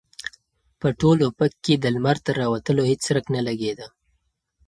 په ټول افق کې د لمر د راوتلو هېڅ څرک نه لګېده.